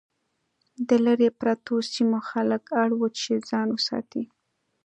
د لرې پرتو سیمو خلک اړ وو چې ځان وساتي.